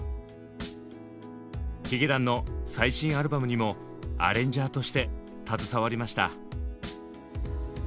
ヒゲダンの最新アルバムにもアレンジャーとして携わりました。